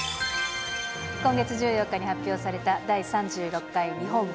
今月１４日に発表された、第３６回日本